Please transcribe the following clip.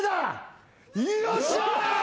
よっしゃ！